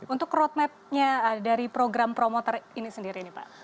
untuk road map nya dari program promoter ini sendiri nih pak